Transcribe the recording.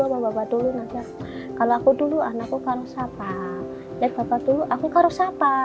apa bapak dulu kalau aku dulu anakku karusapa ya bapak dulu aku karusapa